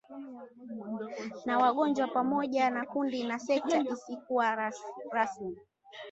na wagonjwa pamoja na kundi na sekta isikuwa rasmi